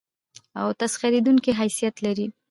او تسخېرېدونکى حيثيت لري.